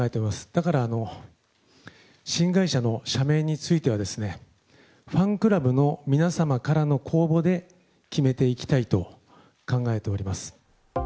だから、新会社の社名については、ファンクラブの皆様からの公募で決めていきたいと考えております。